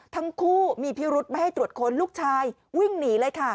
ทั้งคู่มีพิรุธไม่ให้ตรวจค้นลูกชายวิ่งหนีเลยค่ะ